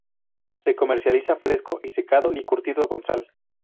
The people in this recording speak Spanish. Se comercializa fresco y secado y curtido con sal.